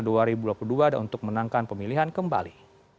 dan pemilihan kembali